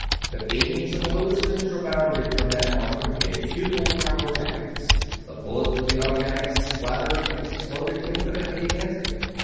The beams of the Lewistons rebounded from that armor in futile pyrotechnics, the bullets of the automatics spattered and exploded impotently against it.